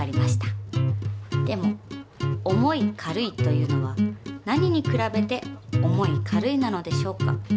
でも重い軽いというのは何にくらべて重い軽いなのでしょうか？